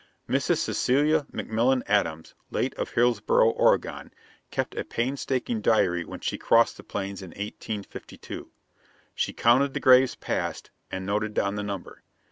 Mrs. Cecilia McMillen Adams, late of Hillsboro, Oregon, kept a painstaking diary when she crossed the Plains in 1852. She counted the graves passed and noted down the number.